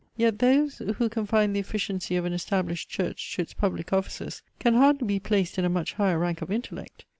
Yet those, who confine the efficiency of an established Church to its public offices, can hardly be placed in a much higher rank of intellect.